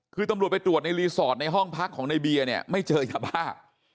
คือตำรวจไปตรวจในรีสอร์ทในห้องพักของในเบียร์เนี่ยไม่เจอยาบ้า